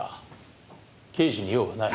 刑事に用はない。